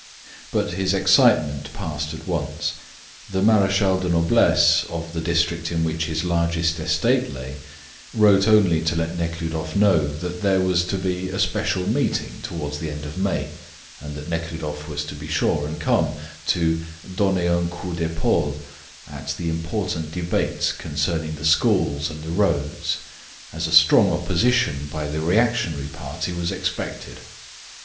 But his excitement passed at once. The marechal do noblesse, of the district in which his largest estate lay, wrote only to let Nekhludoff know that there was to be a special meeting towards the end of May, and that Nekhludoff was to be sure and come to "donner un coup d'epaule," at the important debates concerning the schools and the roads, as a strong opposition by the reactionary party was expected.